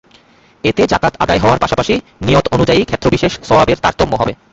এতে জাকাত আদায় হওয়ার পাশাপাশি নিয়ত অনুযায়ী ক্ষেত্রবিশেষ সওয়াবেরও তারতম্য হবে।